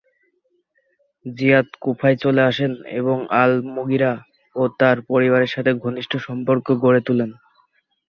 যিয়াদ কুফায় চলে আসেন এবং আল-মুগিরা ও তার পরিবারের সাথে ঘনিষ্ট সম্পর্ক গড়ে তোলেন।